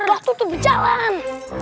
waktu tuh berjalan